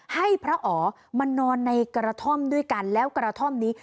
ให้พระอ๋อมานอนในกระท่อมด้วยกันแล้วกระท่อมนี้